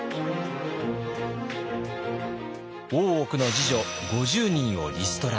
大奥の侍女５０人をリストラ。